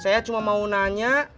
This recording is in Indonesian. saya cuma mau nanya